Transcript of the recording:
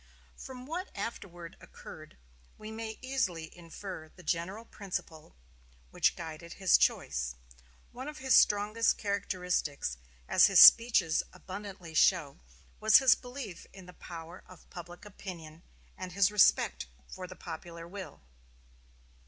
From what afterward occurred, we may easily infer the general principle which guided his choice. One of his strongest characteristics, as his speeches abundantly show, was his belief in the power of public opinion, and his respect for the popular will.